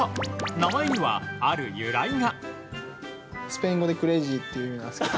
名前には、ある理由が。